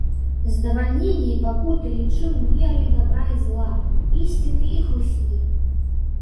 Здавальненне і пакуты лічыў мерай дабра і зла, ісціны і хлусні.